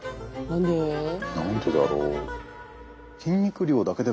何でだろう？